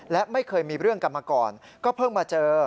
และไม่เคยมีเรื่องกันมาก่อนก็เพิ่งมาเจอ